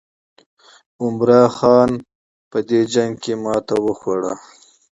عمرا خان په دې جنګ کې ماته وخوړه.